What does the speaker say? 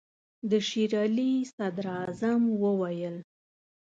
د شېر علي صدراعظم وویل.